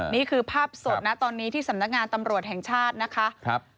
นี่คือภาพสดนะตอนนี้ที่สำนักงานตำรวจแห่งชาตินะคะ